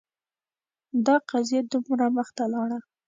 دا قضیه دومره مخته لاړه